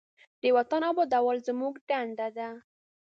د وطن آبادول زموږ دنده ده.